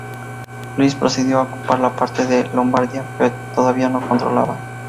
Luis procedió a ocupar la parte de Lombardía que todavía no controlaba.